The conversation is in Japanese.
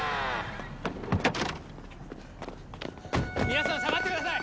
皆さん下がってください！